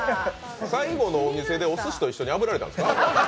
最後のお店でおすしと一緒にあぶられたんですか？